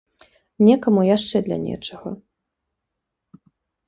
Некаму яшчэ для нечага.